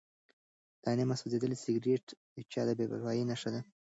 دا نیم سوځېدلی سګرټ د یو چا د بې پروایۍ نښه وه.